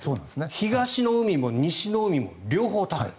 東の海も西の海も両方高い。